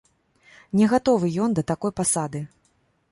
Не гатовы ён да такой пасады.